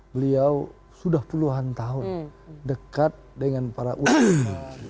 beliau sudah puluhan tahun dekat dengan para ulama